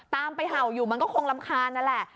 ตามไปเห่าอยู่มันก็คงรำคาญนั่นแหละ